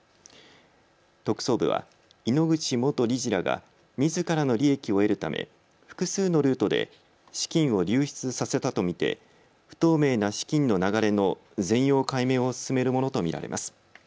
特捜部は井ノ口元理事らがみずからの利益を得るため複数のルートで資金を流出させたと見て不透明な資金の流れの全容解明を進めるものと見られます。